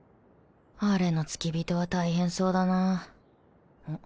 あれの付き人は大変そうだなん？